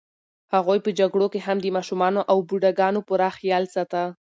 هغوی په جګړو کې هم د ماشومانو او بوډاګانو پوره خیال ساته.